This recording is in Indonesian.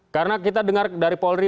karena kita dengar dari polri